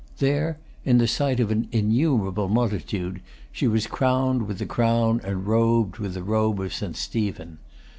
There, in the sight of an innumerable multitude, she was crowned with the crown and robed with the robe of St. Stephen.